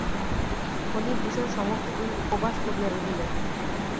ফণিভূষণ সমস্তদিন উপবাস করিয়া রহিল।